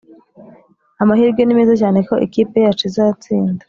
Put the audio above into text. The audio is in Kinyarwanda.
] amahirwe ni meza cyane ko ikipe yacu izatsinda.